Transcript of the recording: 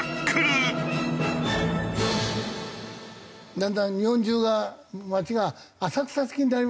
だんだん日本中が街が浅草的になりましたね。